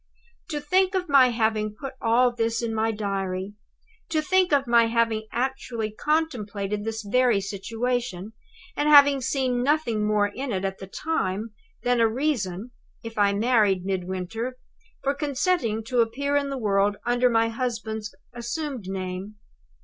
"To think of my having put all this in my Diary! To think of my having actually contemplated this very situation, and having seen nothing more in it, at the time, than a reason (if I married Midwinter) for consenting to appear in the world under my husband's assumed name!